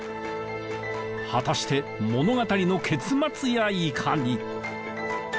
果たして物語の結末やいかに⁉